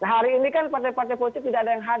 hari ini kan partai partai politik tidak ada yang hadir